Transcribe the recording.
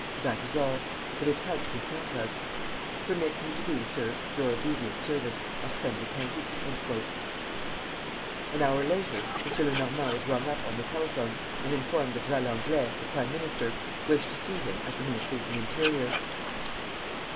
That is all; but it had to be thought of. "'Permit me to be, Sir, "'Your obedient servant, "'ARSÈNE LUPIN.'" An hour later, M. Lenormand was rung up on the telephone and informed that Valenglay, the prime minister, wished to see him at the Ministry of the Interior.